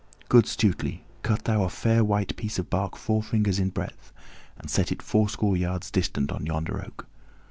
Good Stutely, cut thou a fair white piece of bark four fingers in breadth, and set it fourscore yards distant on yonder oak.